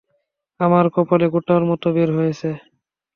আমার কপালে গোটার মত বের হয়েছে।